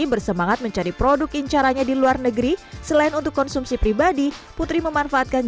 bersemangat mencari produk incaranya di luar negeri selain untuk konsumsi pribadi putri memanfaatkan